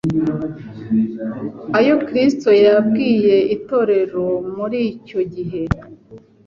ayo Kristo yabwiye itorero muri icyo gihe